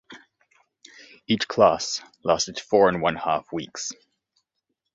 Each class lasted four and one-half weeks.